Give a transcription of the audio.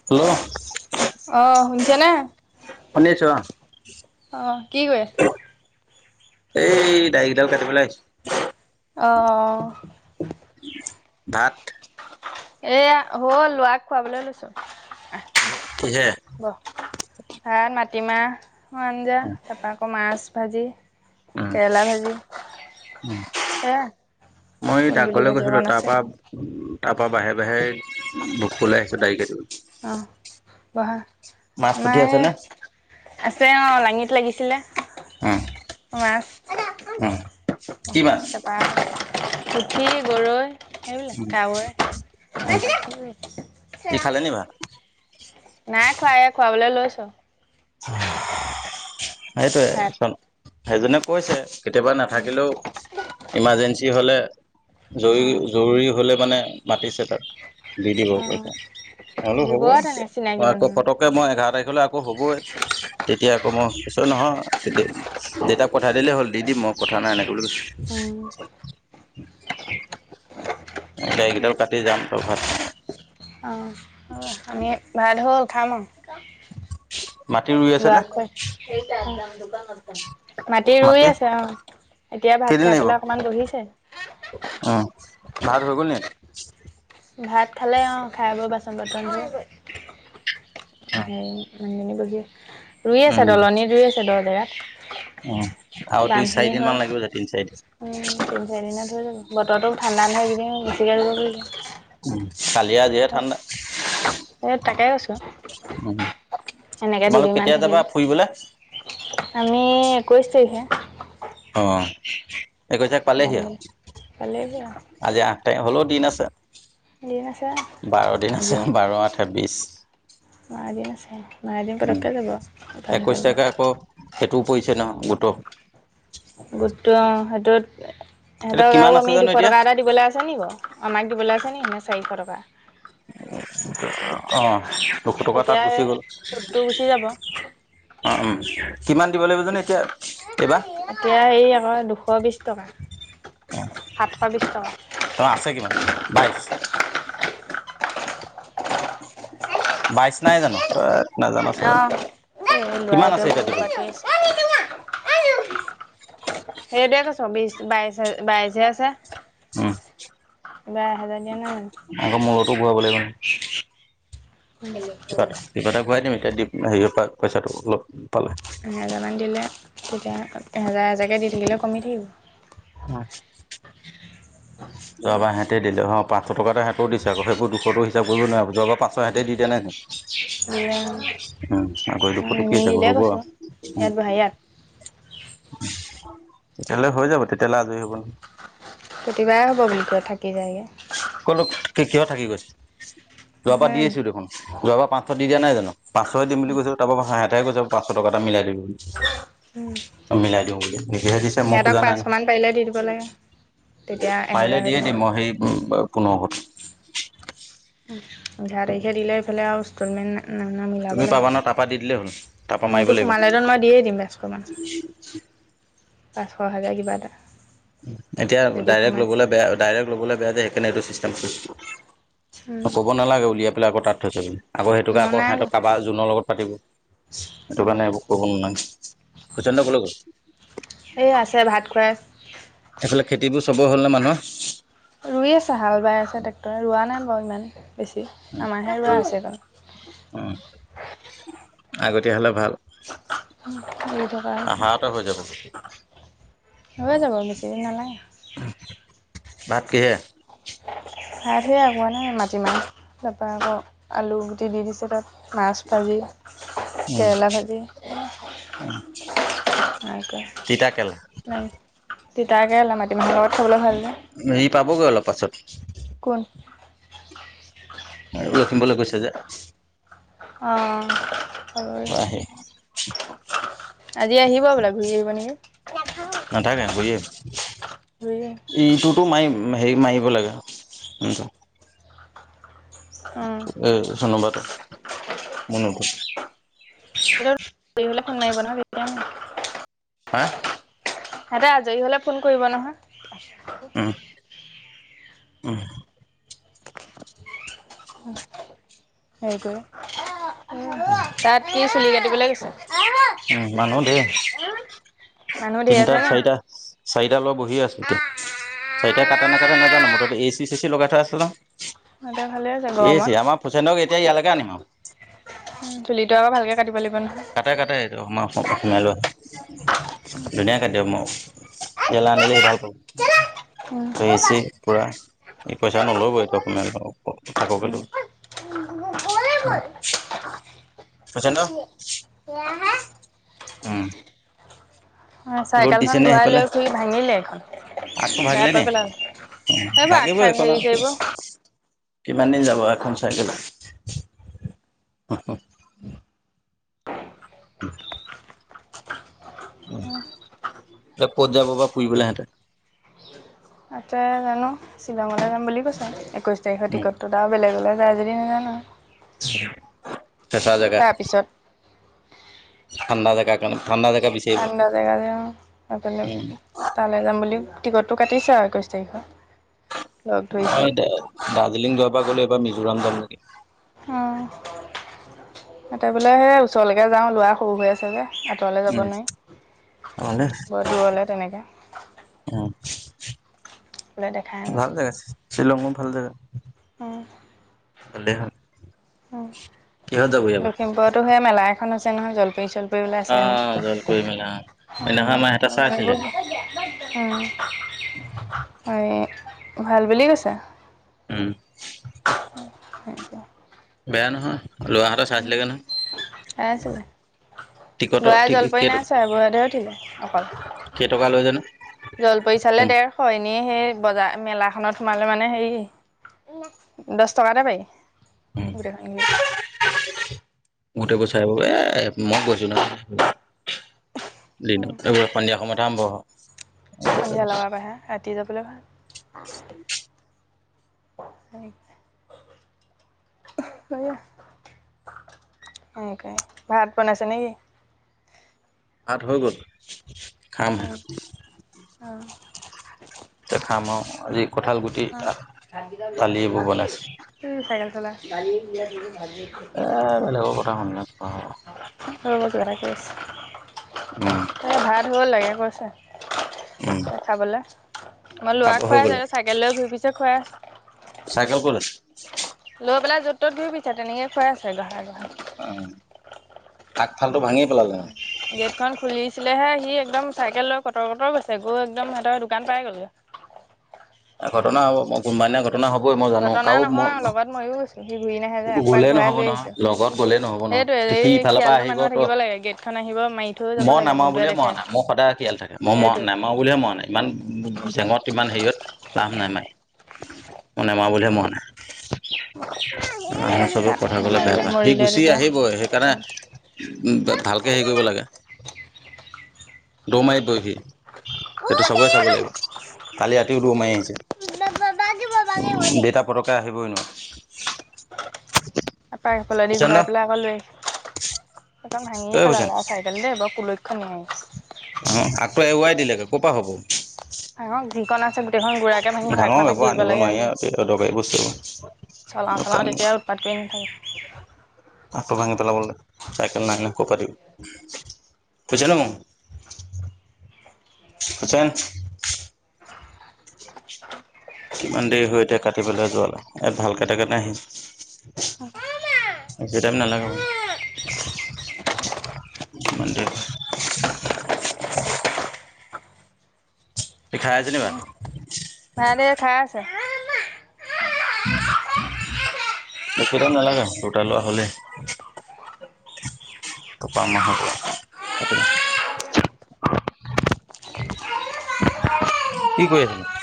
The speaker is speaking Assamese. হেল্ল'? অহ, শুনিছানে? শুনিছো অহ। অহ, কি কৰি এই দাৰিগিদাল কটিবলে আহিছোঁ। অ'। ভাত? এয়া হ'ল, ল'ৰাক খুৱাবলৈ লৈছো। কিহে? ভাত মাটিমাহ' আঞ্জা উম তাৰপা আকৌ মাছ ভাজি। কেৰেলা ভাজি, উম সেয়া। মই কুন্দুলি ডাকঘৰলৈ ভাজি গৈছিলো, অকণ তাৰ আছে পৰা তাৰ পৰা বাহিৰে বাহিৰে ভোগপুৰলে আহিছো দাঢ়ি কাটিবলে। অহ, বহা। মাছ পুঠি আমাৰ আছে নে এহ, আছে অহ, লাঙিত লাগিছিলে। উম মাছ। উম, কি মাছ? তাৰপৰা, পুঠি, গৰৈ। সেইবিলাক, উম কাৱৈ উম [unintelligible] নাই খোৱা, এয়া খুৱাবলৈ লৈছো। সেইটোয়ে, ভাত সেইজনে কৈছে কেতিয়াবা অ নাথাকিলেও ইমাৰ্জেঞ্চি হ'লে অ জৰুৰী জৰুৰী হ'লে মানে মাতিছে তাত দি দিব অ পইচা, মই বোলো দিব হ'ব এতিয়া তেনে চিনাকি মই আকৌ মানুহ পটক মই এঘাৰ তাৰিখলৈ আকৌ হ'বয়ে, তেতিয়া আকৌ মই কৈছোঁ নহয় তেতিয়া দেউতাক পঠাই দিলেই হ'ল দি দিম মই কথা নাই এনেকে বুলি কৈছোঁ। উম, দাঢ়ি কেইদাল কাটি যাম তোৰ ঘৰত। অ', আমি গা ধুই উশাহ লম। মাটি ৰুই আছে নে ল'ৰাক খুৱাই সেইতাত যাম দোকানত যাম। মাটি ৰুই আছে অ, এতিয়া ভাত খাই পেলাই অকনমান বহিছে। অ', ভাত হৈ গ'ল নেকি? ভাত খালে অ, খাই বৈ বাচন বৰ্তন ধুই, হেৰি [unintelligible] ৰুই আছে উম দলনিত ৰুই আছে দহ উম আৰু জেগাত দুই বামখিনি চাৰিদিন হ'ল। মান লাগিব যে তিনি চাৰিদিন উম, তিনি চাৰি দিনত হৈ যাব বতৰতো ঠাণ্ডা নহয় এইকেইদিন বেছিকে ৰুব পাৰিব। উম, কালিয়ে আজিহে ঠাণ্ডা এ তাকে কৈছো, উম, এনেকে তোমালোক দুদিনমান কেতিয়া যাবা থাকিলে। ফুৰিবলে? আমি একৈশ তাৰিখে। অ, একৈশ তাৰিখ যাম পালেহি বুলি। আৰু। পালেহি আৰু আজি আঠ তাৰিখ হলেও দিন আছে, দিন আছে আৰু। বাৰ দিন আছে বাৰ আঠে বিশ। বাৰ দিন আছে, বাৰ দিন উম পতককে যাব ইফাল সিফাল কৰোঁতে। সেইটো পৰিছে নহয় গোটক গোটটো অ, সেইটোত এইটো সিহঁতক কিমান আৰু আছে আমি জানো দুশ এতিয়া টকা এটা দিবলৈ আছে নেকি বাৰু? আমাক দিবলৈ আছে নি চাৰিশ টকা? অ', দুশ টকা তাত তেতিয়া গুচি গ'ল সুতটো গুচি যাব অ', উম, কিমান দিব লাগিব জানো এইবাৰ এতিয়া হেৰি আকৌ দুশ বিশ টকা। সাতশ বিশ টকা। তোমাৰ আছে কিমান বাইশ? বাইছ নাই জানো? [inaudible] অ', এই কিমান ল'ৰাটো আছে এতিয়া উৎপাত দিবলৈ কৰি আছে। সেইটোৱে কৈছো বিশ বাইশ বাইশ হে আছে। উম, [unintelligible] আকৌ মোৰ লগতো ঘূৰাব লাগিব নহয় কিবা জানো কিবা এটা ঘূৰাই দিম এতিয়া দিম হেৰিঅ পৰা পইচাটো পালে এহেজাৰমান দিলে তেতিয়া এহেজাৰ হজাৰকৈ দি দাকিলে কমি থাকিব। হয়। যোৱাবাৰ সিহঁতি দিলে, পাঁচশ টকাটা সিহঁতেও দিছে আকৌ সেইবোৰ দুশটো হিচাপ কৰিব নোৱাৰে যোৱাবাৰ পাছত হেঁতে দি দিয়া নাই দিলে উম, আগৰ দুখটো কি হিচাপত নিমিলিলে হব কৈছোঁ উম, ইয়াত বহা ইয়াত তেতিয়ালে হৈ যাব তেতিয়ালে আজৰি হ'ব নহই প্ৰতিবাৰে হ'ব বুলি কয় থাকি যায়গে। কলো কিহৰ থাকি গৈছে, যোৱা বাৰ দি আহিছোঁ দেখোন। যোৱাবাৰ পাঁচশ দি দিয়া নাই জানো? পাঁচশয হে দিম বুলি কৈছো তাৰপ পৰা সিহঁতেহে কৈছ পাঁচশ টকা এটা মিলাই দিবি বুলি। মিলাই দিওঁ বুলি, নিজেহে দিছে মই সিহঁতক খোজা নাই পাঁচশমান পাৰিলে দি দিব নহয়। লাগে তেতিয়া পাৰিল এহেজাৰ হৈ দিয়ে থাকিব দিম, মই সেই পোন্ধৰশটো। এঘাৰ তাৰিখে দিলে এইফালে আৰু ইনষ্টল মেণ্ট ন না মিলাব তুমি লাগে, পাবা ন তাৰপা দি দিলেই হ'ল তাৰপা মাৰিব মোৰতো লাগিব। সোমালেতেওঁ মই দিয়েই দিম পাঁচশ মান। পাঁচশ হাজাৰ কিবা এটা। এতিয়া যদি ডাইৰেক্ট সোমাই লবলৈ বেয়া, ডাইৰেক্ট ল'বলৈ বেয়া যে সেইকাৰণে এইটো চিষ্টেম [unintelligible] ক'ব নালাগে উলিয়াই পেলাই আকৌ তাত থৈছ বুলি, আকৌ সেইটোকে মই আকৌ নাই সিহঁতৰ কাৰবাৰ জোনৰ লগত পাতিব। সেইটো কাৰণে এইবোৰ কৰিব নালাগে, [unintelligible] কলৈ গ'ল? এ আছে ভাত খুৱাই এইফালে খেতিবোৰ চবৰে হ'ল নে মানুৰ? ৰুই আছে হাল বাই আছে ট্ৰেক্টৰে, ৰোৱা নাই বাৰু ইমান বেছি আমাৰহে ৰোৱা আছে বাৰু। উম, আগতীয়া হ'লে ভাল। [unintelligible] কৰি থকা হৈছে। আহাৰতে হৈ যাব। হৈ যাব বেছিদিন নালাগে। ভাত কিহে? ভাত সেইয়া কোৱা নাই মাটিমাহ। তাৰপৰা আকৌ আলুগুটি দি দিছোঁ তাত মাছ ভাজি। উম। কেৰেলা ভাজি এনেকে। তিতা কেৰেলা, তিতাকেৰেলা মাটিমাহৰ লগত খাবলৈ ভাল যে। ই পাবগৈ অলপ পাছত। কোন? লখিমপুৰলৈ গৈছে যে। আহঁ। [unintelligible] আজি আহিব বোলা ঘূৰি আহিব নেকি? নাথাকে ঘূৰি আহিব। [unintelligible] ইটোতো মাৰি হেৰি মাৰিব লাগে [unintelligible] অ'। এই চুনু বা টোত মুনুৰ টোত। [unintelligible] দেৰি হলে ফোন মাৰিব নহয় [unintelligible] হা? সিহঁতে আজৰি হ'লে ফোন কৰিব নহয়। উম, উম। হেৰী কৰি [unintelligible] তাত কি চুলি কাটিবলৈ গৈছে? উম, মানুহ ধেৰ মানুহ ধেৰ আছে তিনটা নি? চাৰিটা। চাৰিটা ল'ৰা বহি আছে এতিয়া, চাৰিটাই কাটে নাকাটে নাজানো মুঠতে এ চি চে চি লগাই থোৱা আছে সিহঁতৰ ভালে আছে ন' এ চি আমাৰ ফুছেনক এতিয়া ইয়ালৈকে আনিম আৰু। উম, চুলিটো আকৌ ভালকে কাটিব লাগিব ন'। কাটে কাটে এইটো আমৰ অসম অসমীয়া ল'ৰাই। ধুনীয়া কাটি দিব মোক ইয়ালে আনিলে সি ভাল পাব। উম। গোটে এ উম। চি পুৰা ই পইচা নলবই অসমীয়া [unintelligible] [unintelligible] উম। অ', ৰ'দ দিছে চাইকেলখন নে ঘূৰাই সেইফালে লৈ ফুৰি ভাঙিলে এইখন বেয়া কৰি পেলালে। [unintelligible] এইবোৰ আগ লাগিবই চাগ এইখনো। হেৰি চেৰিবোৰ কিমান দিন যাব, এখন চাইকেলত? [unintelligible] [unintelligible] ক'ত যাব বা ফুৰিবলে সিহঁতে? ক'ত যায় জানোঁ! শ্বিলঙতে যাম বুলি কৈছে, একৈছ তাৰিখৰ উম টিকটটোত। তাৰপৰা, বেলেগলে যায় যদি নাজানোঁ। [unintelligible] তাৰপিছত ঠাণ্ডা জেগা কাৰণে ঠাণ্ডা জেগা বিচাৰিব ঠাণ্ডা জেগা যে, উম! অকলে। উম তালৈ যাম বুলি টিকটটো কাটিছে আৰু একৈছ তাৰিখে। অ'! দাৰ্জিলিং যোৱাবাৰ গ'লো। এইবাৰ মিজোৰাম যাম নেকি! অ'! বোলে হে, ওচৰলৈকে যাওঁ। ল'ৰা সৰু হৈ আছে, যে। আঁতৰলে যাব উম নোৱাৰি, ভালে বৰ দূৰলৈ তেনেকে। উম, বোলে দেখাই নাই ভাল জেগা, শ্বিলং ও ভাল জেগা! উম! হ'লে হ'ল। উম, লখিমপুৰতো হে মেলা এখন আছে নহয়, জলপৰি-চলপৰি অ জল কৰি মেলা অ [unintelligible] উম, সেইদিনাখন আমাৰ এটা চাই আছিলেগে হয়! ভাল বুলি কৈছে! উম! [unintelligible] খাই বেয়া নহয়, ল'ৰা এটা চাইছিলেগে নহয়। [inaudible] আছিলে টিকটৰ ল'ৰাই কেই জলপৰি নাই ছোৱা। বুঢ়াটোৱে উঠিলে অকল। কেই টকা লৈ জানোঁ? জল পৰি চালে, ডেৰশ। এনেই সেই, বজাৰ, মেলাখনত সোমালে মানে, হেৰি দহ টকাতে পাৰি, গোটেই খিনি [unintelligible] চালে [unintelligible] সন্ধিয়া সময়ত আৰম্ভ। সন্ধিয়া লগাব আহে। ৰাতি যাবলৈ ভাল। [unintelligible] [unintelligible] সনেকে, [inaudible] ভাত বনাইছে নেকি? ভাত হৈ গ'ল, খামহে। এতিয়া খাম আও। আজি কঁঠাল গুটি দালি এইবোৰ বনাইছে [unintelligible] এ, বেলেগৰ কথা [unintelligible] ৰ'ব, কিবা এটা কৈ আছে। উম! [unintelligible] লাগে কৈছে! উম খাবলে। মই ল'ৰা খাব হৈ খুৱাই আছোঁ। গ'ল সিহঁতে, চাইকেল লৈ ঘুৰি ফুৰিছে, খুৱাই আছোঁ। চাইকেল ক'ত আছে? লৈ পেলাই, য'ত-ত'ত ঘুৰি ফুৰিছে। তেনেকে, খুৱাই আছে, গহাই- গহাই। অ'! আগফালটো ভাঙি পেলালে? গেট খন খুলিছিলেহে, সি একদম চাইকেল লৈ, কটৰ-কটৰ গৈছে। গৈ একদম, সিহঁতৰ দোকান পাই গ'লগৈ। ঘটনা হ'ব, মই কোনোবা এদিনা ঘটনা হ'বই, মই জানোঁ! কাৰোঁ মই, মইয়ো গ'লে নহ'ব নহয়, লগত গ'লে নহ'ব নহয়। সেইটোৱে সি এই ইফালৰ পৰা খিয়ালটো আহিব। মানুহে তো থাকিব লাগে গেটখন আহিব মাৰি থৈ যাব মই লাগে নামাৰোঁ যোনটোৱে বুলিয়ে দেখে মৰা নাই, মোৰ সদায় শিয়াল থাকে। মই সেইটোৱেতো নামাৰোঁ বুলিয়ে মৰা নাই, ইমান জেঙত। ইমান হেৰিয়ত লাভ নাই, মাৰি। মই নেমাৰোঁ বুলিয়ে মৰা নাই। মানুহৰ চবে কথা তাক ক'লে, বেয়া নামাৰিলে পায়! সি মৰিলে গুচি তেতিয়া আহিবই। সেইকাৰণে, উম, ভালকে হেৰি কৰিব লাগে, দৌ মাৰিত বহি দিয়ে। সেইটো চবয়ে, চাব লাগিব। কালি ৰাতিও, দৌৰ মাৰি আহিছে। উম, দেউতা পতককে আহিবই এনেও। তাৰ পা সেইফালে দি হুছেইন দা ঘূৰাই পেলাই আকৌ লৈ আহিছোঁ এইকন ভাঙিয়ে এই হুছেইন পেলালে আৰু চাই [unintelligible] বৰ কুলয়ইখনীয়া ই। অ', আগটো এৰুৱাই দিলেগে ক'ৰ পৰা হ'ব। অ', যিকন আছে গোটেইখন গুডৰাকৈ ভাঙি হৰ এক ডাঙৰ মালাক এইবোৰ দি দিব আনিব লাগে নোৱাৰি আজি আৰু অদৰকাৰী বস্তুবোৰ চলাওঁ চলাওঁ তেতিয়া উৎপাত কৰি নাথাকে। আকৌ ভাঙি পেলাবলৈ চাইকেল নাই ন' কৰ পা দিব। [unintelligible] কিমান দেৰি হৈ এতিয়া কাটি পেলাই যোৱালে ইয়াত ভাল কাতে কাৰনে নাথাকে আহিছোঁ। বেছি টাইম নালাগে বাৰু [unintelligible] কি খাই আছে ন' ভাত? ভাত এইয়া খাই আছে। অ', বেছি টাইম নালাগে দুটা ল'ৰা হ'লে। তাৰপা আমাৰ হ'ব সেইটো কি কৰি আছে ন'?